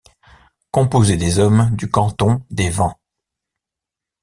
Composée des hommes du canton des Vans.